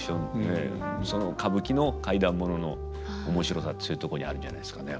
その歌舞伎の怪談物の面白さってそういうとこにあるんじゃないですかね